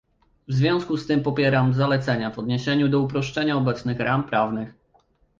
W związku z tym popieram zalecenia w odniesieniu do uproszczenia obecnych ram prawnych